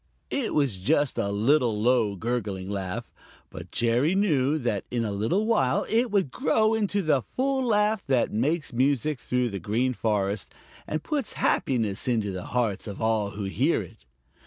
It was just a little low, gurgling laugh, but Jerry knew that in a little while it would grow into the full laugh that makes music through the Green Forest and puts happiness into the hearts of all who hear it.